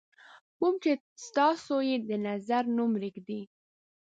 کوم چې تاسو یې د نظر نوم ږدئ.